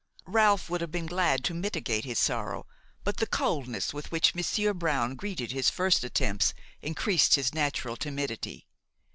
Ralph would have been glad to mitigate his sorrow, but the coldness with which Monsieur Brown greeted his first attempts increased his natural timidity.